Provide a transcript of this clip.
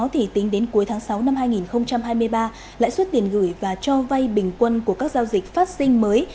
tính đến cuối tháng sáu năm hai nghìn hai mươi ba lãi suất tiền gửi và cho vay bình quân của các giao dịch phát sinh mới